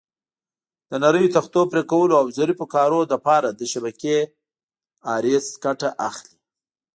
د نریو تختو پرېکولو او ظریفو کارونو لپاره له شبکې آرې ګټه اخلي.